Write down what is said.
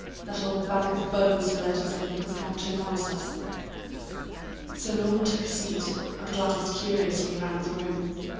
That old bag of bones who let us in has gone to announce us." Sir Norman took a seat, and glanced curiously round the room.